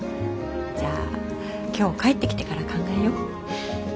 じゃあ今日帰ってきてから考えよう。